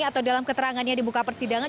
atau dalam keterangannya di muka persidangan